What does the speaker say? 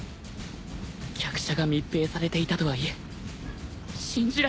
客車が密閉されていたとはいえ信じられない